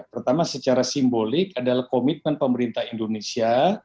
pertama secara simbolik adalah komitmen pemerintah indonesia